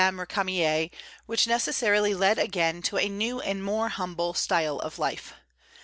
Récamier, which necessarily led again to a new and more humble style of life.